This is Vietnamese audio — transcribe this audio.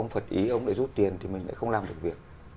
ông phật ý ông lại rút tiền thì mình lại không làm được việc